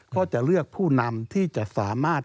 ก็จะเลือกผู้นำที่จะสามารถ